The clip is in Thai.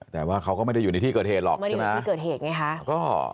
แต่ว่าเขาก็ไม่ได้อยู่ในที่เกิดเหตุหรอกใช่ไหม